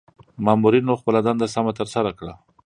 مامورنیو خپله دنده سمه ترسره کړه.